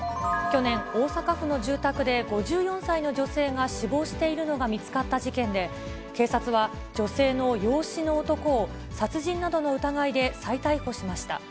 去年、大阪府の住宅で５４歳の女性が死亡しているのが見つかった事件で、警察は、女性の養子の男を殺人などの疑いで再逮捕しました。